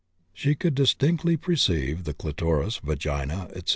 She could distinctly perceive the clitoris, vagina, etc.